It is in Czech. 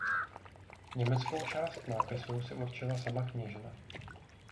Německou část nápisu si určila sama kněžna.